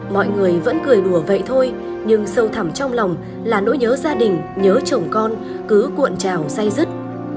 mọi người vẫn cười đùa vậy thôi nhưng sâu thẳm trong lòng là nỗi nhớ gia đình nhớ chồng con cứ cuộn trào dây dứt